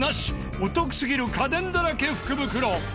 お得すぎる家電だらけ福袋。